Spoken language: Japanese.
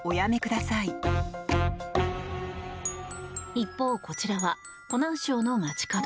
一方、こちらは湖南省の街角。